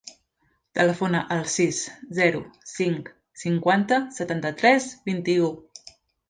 Telefona al sis, zero, cinc, cinquanta, setanta-tres, vint-i-u.